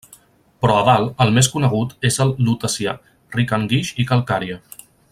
Però a dalt, el més conegut és el Lutecià, ric en guix i calcària.